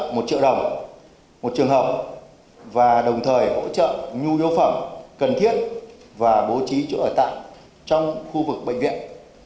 bệnh viện nhi trung ương đã hỗ trợ một triệu đồng và đồng thời hỗ trợ nhu yếu phẩm cần thiết và bố trí chỗ ở tại trong khu vực bệnh viện